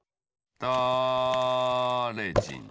だれじん